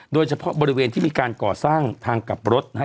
โดยเฉพาะบริเวณที่มีการก่อสร้างทางกลับรถนะฮะ